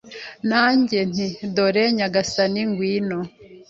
Nanjye nti: "Dore nyagasani, ngwino."